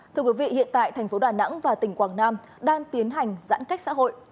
thưa quý vị hiện tại thành phố đà nẵng và tỉnh quảng nam đang tiến hành giãn cách xã hội